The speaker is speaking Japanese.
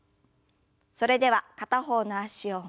それでは片方の脚を前に。